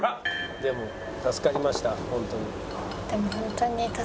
「でも助かりましたホントに」。